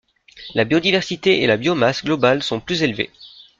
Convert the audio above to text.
La biodiversité et la biomasse globales sont plus élevées.